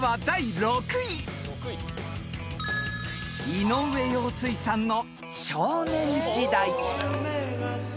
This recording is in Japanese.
［井上陽水さんの］